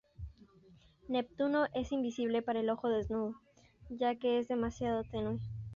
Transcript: Neptuno es invisible para el ojo desnudo, ya que es demasiado tenue.